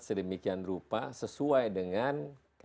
sedemikian rupa sesuai dengan